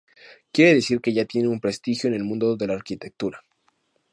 Quiere decir que ya tenía un prestigio en el mundo de la arquitectura.